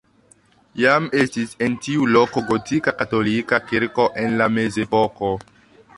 Jam estis en tiu loko gotika katolika kirko en la mezepoko.